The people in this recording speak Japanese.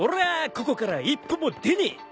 ここから一歩も出ねえ。